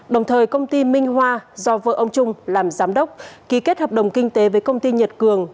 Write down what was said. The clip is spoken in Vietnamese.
đồng thời công ty minh hoa do vợ ông trung làm giám đốc ký kết hợp đồng kinh tế với công ty nhật cường